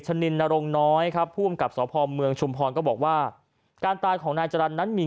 นินนรงน้อยครับผู้อำกับสพเมืองชุมพรก็บอกว่าการตายของนายจรรย์นั้นมี